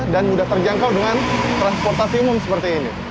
dan mudah terjangkau dengan transportasi umum seperti ini